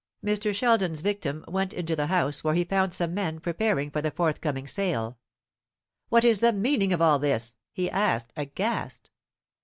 Mr. Sheldon's victim went into the house, where he found some men preparing for the forthcoming sale. "What is the meaning of all this?" he asked, aghast.